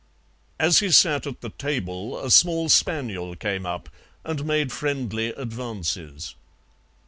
As he sat at the table a small spaniel came up and made friendly advances.